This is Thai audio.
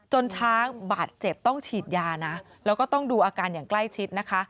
ช้างบาดเจ็บต้องฉีดยานะแล้วก็ต้องดูอาการอย่างใกล้ชิดนะคะ